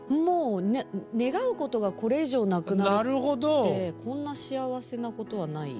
もう願うことがこれ以上なくなるってこんな幸せなことはない。